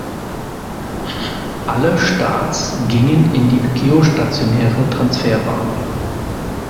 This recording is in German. Alle Starts gingen in die geostationäre Transferbahn.